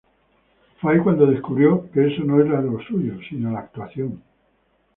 Fue ahí cuando descubrió que eso no era lo suyo, sino la actuación.